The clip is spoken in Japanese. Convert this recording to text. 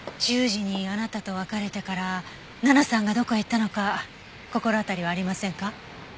１０時にあなたと別れてから奈々さんがどこへ行ったのか心当たりはありませんか？